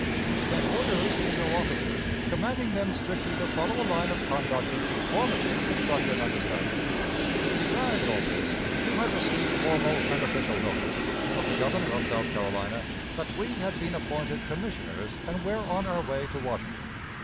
You sent orders to your officers, commanding them strictly to follow a line of conduct in conformity with such an understanding. Besides all this, you had received formal and official notice, from the Governor of South Carolina, that we had been appointed commissioners and were on our way to Washington.